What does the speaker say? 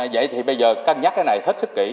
vậy thì bây giờ cân nhắc cái này hết sức kỹ